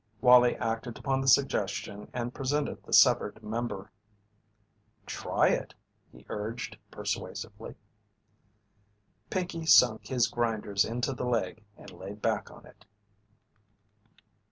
Wallie acted upon the suggestion and presented the severed member. "Try it," he urged, persuasively. Pinkey sunk his grinders into the leg and laid back on it.